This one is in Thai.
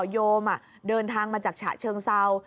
โยมเดินทางมาจากฉะเชิงเซา